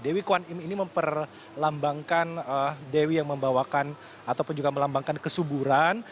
dewi kuan im ini memperlambangkan dewi yang membawakan ataupun juga melambangkan kesuburan